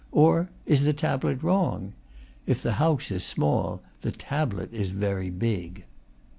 Or is the tablet wrong? If the house is small, the tablet is very big.